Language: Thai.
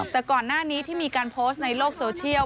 แต่ก่อนหน้านี้ที่มีการโพสต์ในโลกโซเชียล